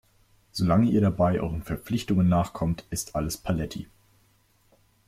Solange ihr dabei euren Verpflichtungen nachkommt, ist alles paletti.